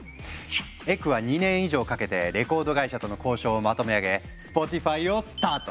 エクは２年以上かけてレコード会社との交渉をまとめ上げ「スポティファイ」をスタート！